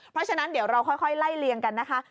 เพราะฉะนั้นเดี๋ยวเราค่อยไล่เลี่ยงกันนะคะ